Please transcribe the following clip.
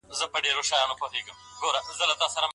وارثانو به کونډه ښځه د مال په څېر ګڼله.